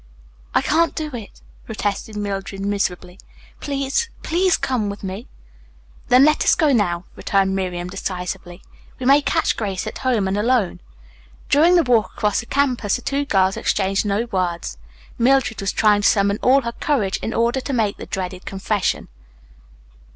"I can't do it," protested Mildred miserably. "Please, please come with me." "Then, let us go now," returned Miriam decisively. "We may catch Grace at home and alone." During the walk across the campus the two girls exchanged no words. Mildred was trying to summon all her courage in order to make the dreaded confession.